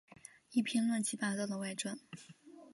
一篇乱七八糟的外传